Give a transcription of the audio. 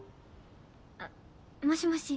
あっもしもし？